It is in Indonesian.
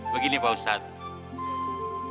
begini pak ustadz